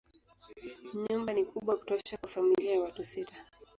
Nyumba ni kubwa kutosha kwa familia ya watu sita.